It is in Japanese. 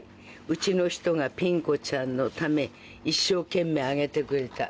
うちのひとがピン子ちゃんのため一生懸命あげてくれた。